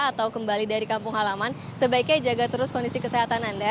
atau kembali dari kampung halaman sebaiknya jaga terus kondisi kesehatan anda